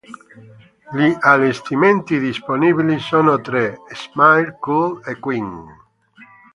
Gli allestimenti disponibili sono tre: Smile, Cool e Queen.